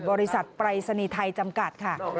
บริษัทปรายศนีย์ไทยจำกัดค่ะ